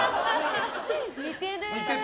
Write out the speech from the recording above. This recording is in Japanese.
似てる。